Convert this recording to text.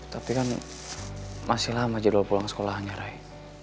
tapi kan masih lama jadwal pulang sekolahnya rai